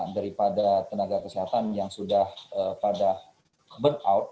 daripada tenaga kesehatan yang sudah pada burn out